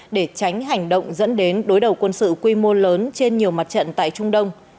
để tránh hành động dẫn đến đối đầu quân sự quy mô lớn trên nhiều mặt trận tại trung đông